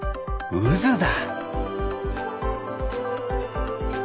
うずだ。